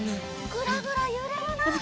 ぐらぐらゆれるな！